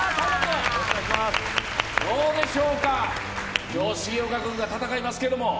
どうでしょうか、今日、重岡君が戦いますけど。